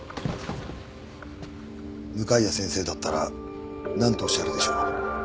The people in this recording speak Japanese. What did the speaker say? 向谷先生だったらなんとおっしゃるでしょう？